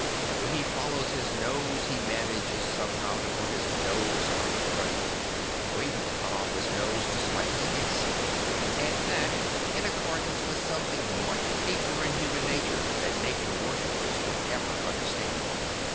When he foIIows his nose he manages somehow to put his nose out of joint, or even to cut off his nose to spite his face; and that in accordance with something much deeper in human nature than nature worshippers could ever understand.